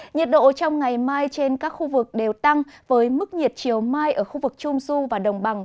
nhiệt độ trong ngày mai trên các khu vực đều tăng với mức nhiệt chiều mai ở khu vực trung du và đồng bằng